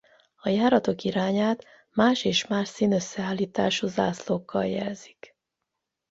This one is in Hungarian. A járatok irányát más és más szín-összeállítású zászlókkal jelzik.